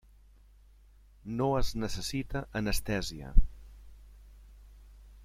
No es necessita anestèsia.